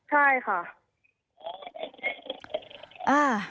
ใช่ค่ะ